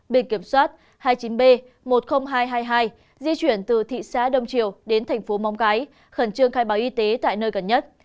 bề kiểm soát hai mươi chín b một mươi nghìn hai trăm hai mươi hai di chuyển từ thị xã đông triều đến thành phố móng cái khẩn trương khai báo y tế tại nơi gần nhất